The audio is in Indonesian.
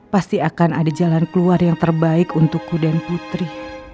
pasti akan ada jalan keluar yang terbaik untukku dan putri